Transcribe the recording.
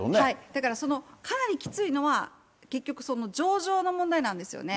だからそのかなりきついのは、結局、その情状の問題なんですよね。